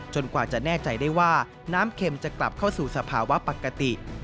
กว่าจะแน่ใจได้ว่าน้ำเข็มจะกลับเข้าสู่สภาวะปกติ